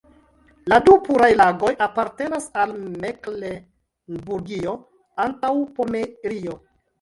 La du puraj lagoj apartenas al Meklenburgio-Antaŭpomerio.